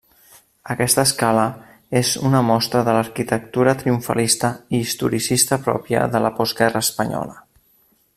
Aquesta escala és una mostra de l'arquitectura triomfalista i historicista pròpia de la Postguerra espanyola.